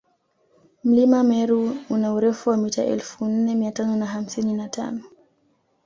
mlima meru una urefu wa mita elfu nne miatano na hamsini na tano